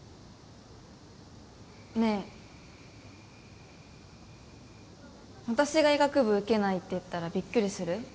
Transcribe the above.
ねえ私が医学部受けないって言ったらびっくりする？